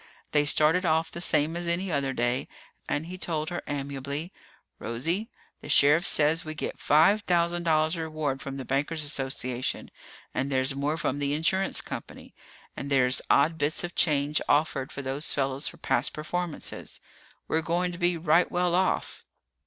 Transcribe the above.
They started off the same as any other day and he told her amiably, "Rosie, the sheriff says we get five thousand dollars reward from the bankers' association, and there's more from the insurance company, and there's odd bits of change offered for those fellas for past performances. We're going to be right well off."